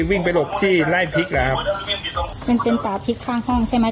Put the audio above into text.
วิ่งไปหลบที่ไล่พริกเหรอครับมันเป็นป่าพริกข้างห้องใช่ไหม